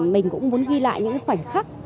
mình cũng muốn ghi lại những khoảnh khắc